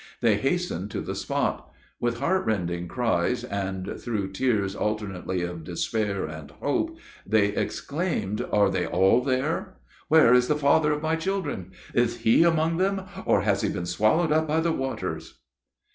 They hastened to the spot; with heart rending cries and through tears alternately of despair and hope, they exclaimed, "Are they all there?" "Where is the father of my children? Is he among them, or has he been swallowed up by the waters?"